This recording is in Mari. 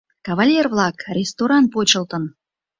— Кавалер-влак, ресторан почылтын.